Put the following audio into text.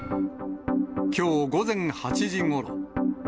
きょう午前８時ごろ。